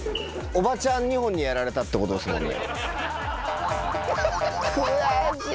おばちゃん２本にやられたってことですもんね。